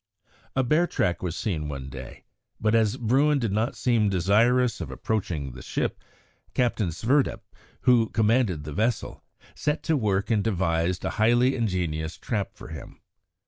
A bear track was seen one day, but as Bruin did not seem desirous of approaching the ship, Captain Sverdrup, who commanded the vessel, set to work and devised a highly ingenious trap for him.